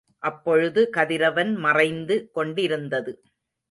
அப்பொழுது கதிரவன் மறைந்து கொண்டிருந்தது.